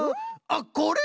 あっこれ